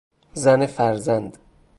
زن فرزند